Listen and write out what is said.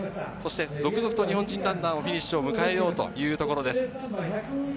そして続々と日本人ランナーもフィニッシュを迎えようというところです。